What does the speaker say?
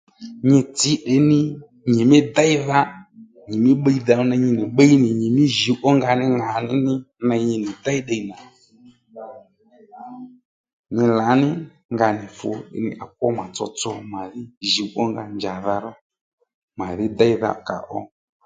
Nyi tsǐ ǐní ní nyìmí déydha nyìmí bbiydha ney nyi nì bbiy nì nyì mí jǔw ónga ní ŋà ní ní ney nyi nì dey ddiy nà mí lǎní ka nà mí mí lǎní nga nì fu à kwó mà tsotso màdhí jǔw ónga njàdha ró mà dhí déydha kà ó